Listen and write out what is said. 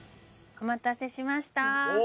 お待たせしました。